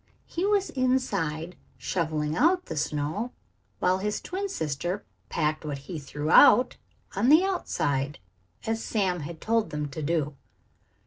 He was inside, shoveling out the snow, while his twin sister packed what he threw out on the outside, as Sam had told them to do.